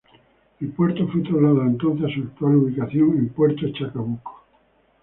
El puerto fue trasladado entonces a su actual ubicación en Puerto Chacabuco.